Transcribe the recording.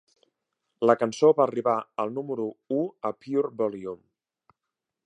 La cançó va arribar al número u a Pure Volume.